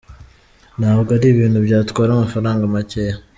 ntabwo ari ibintu byatwara amafaranga makeya.